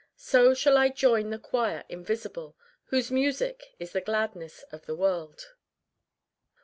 So shall I join the choir invisible Whose music is the gladness of the world."